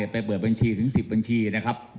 เปิดบัญชีถึง๑๐บัญชีนะครับ